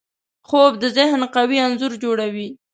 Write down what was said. خوب د ذهن قوي انځور جوړوي